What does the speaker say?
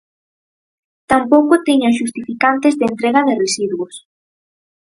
Tampouco tiñan xustificantes de entrega de residuos.